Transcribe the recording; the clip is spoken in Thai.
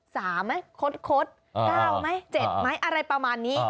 ๓ไหมคด๙ไหม๗ไหมอะไรประมาณนี้